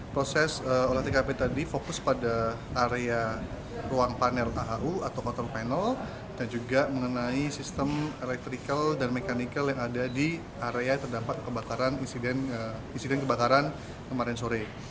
proses olah tkp tadi fokus pada area ruang panel ahu atau kotor panel dan juga mengenai sistem elektrikal dan mekanikal yang ada di area terdampak kebakaran kemarin sore